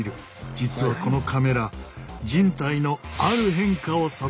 実はこのカメラ人体のある変化を撮影できる。